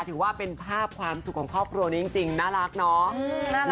ถือว่าเป็นภาพความสุขของครอบครัวนี้จริงน่ารักเนาะ